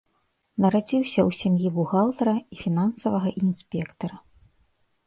Нарадзіўся ў сям'і бухгалтара і фінансавага інспектара.